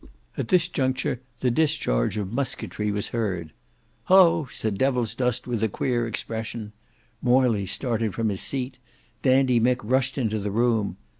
At this juncture the discharge of musketry was heard. "Hilloa!" said Devilsdust with a queer expression. Morley started from his seat. Dandy Mick rushed into the room.